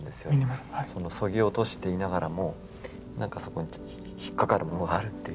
そぎ落としていながらも何かそこに引っかかるものがあるっていう。